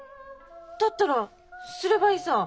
だったらすればいいさぁ。